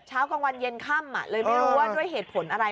กลางวันเย็นค่ำเลยไม่รู้ว่าด้วยเหตุผลอะไร